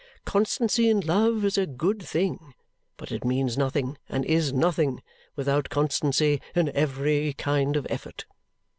Constancy in love is a good thing, but it means nothing, and is nothing, without constancy in every kind of effort.